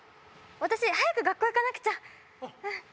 私早く学校行かなくちゃあっ